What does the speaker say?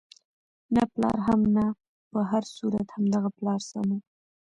نه پلار هم نه، په هر صورت همدغه پلار سم وو.